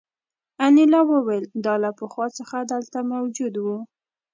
انیلا وویل دا له پخوا څخه دلته موجود وو